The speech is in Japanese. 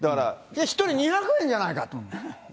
１人２００円じゃないかと。